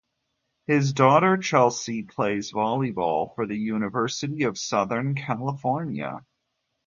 His daughter Chelsea plays volleyball for the University of Southern California.